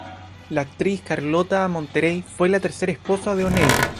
La actriz Carlotta Monterey fue la tercera esposa de O'Neill.